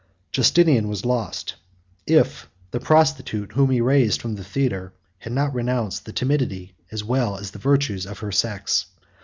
Justinian was lost, if the prostitute whom he raised from the theatre had not renounced the timidity, as well as the virtues, of her sex.